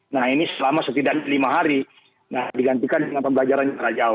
nah ini selama setidaknya lima hari digantikan dengan pembelajaran jarak jauh